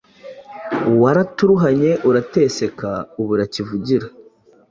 waraturuhanye, urateseka ubura kivurira,